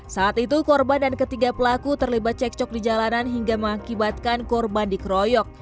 saat itu korban dan ketiga pelaku terlibat cekcok di jalanan hingga mengakibatkan korban dikeroyok